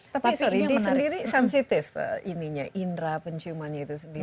tapi sorry di sendiri sensitif ininya indera penciumannya itu sendiri